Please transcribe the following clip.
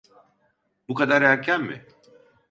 Bu kadar erken mi?